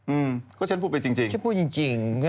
อืมก็ฉันพูดไปจริง